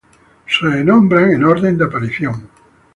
Son nombrados en orden de aparición.